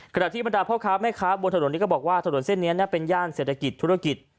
ขณะที่บรรดาพ่อค้าแม่ค้าบนถนนนี้ก็บอกว่าถนนเส้นนี้เป็นย่านเศรษฐกิจธุรกิจ